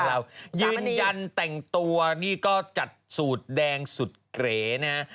เรายืนยันแต่งตัวนี่ก็จัดสูตรแดงสุดเกรนะฮะ